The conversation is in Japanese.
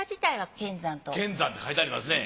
乾山って書いてありますね。